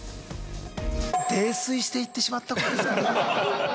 泥酔して行ってしまったことですかね。